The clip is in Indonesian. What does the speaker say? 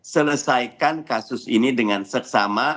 selesaikan kasus ini dengan seksama